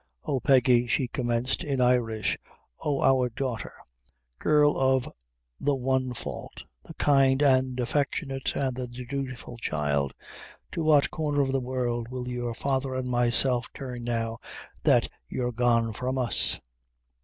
Oh, Peggy," she commenced in Irish, "oh, our daughter girl of the one fault! the kind, the affectionate, and the dutiful child, to what corner of the world will your father an' myself turn now that you're gone from us?